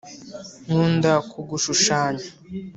nkunda kugushushanya